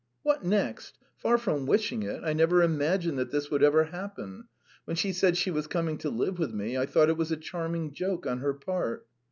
"What next! Far from wishing it, I never imagined that this would ever happen. When she said she was coming to live with me, I thought it was a charming joke on her part."